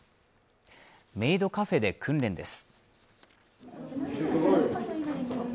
メイドカフェで訓練です。